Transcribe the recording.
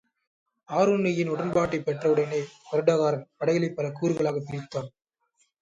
ஆருணியின் உடன்பாட்டைப் பெற்றவுடனே வருடகாரன் படைகளைப் பல கூறுகளாகப் பிரித்தான்.